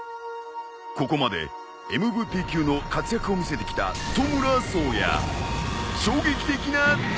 ここまでＭＶＰ級の活躍を見せてきたトムラ颯也衝撃的な退場。